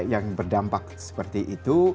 yang berdampak seperti itu